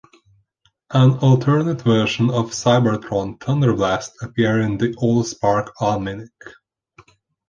An alternate version of "Cybertron" Thunderblast appear in "The All-Spark Almainic".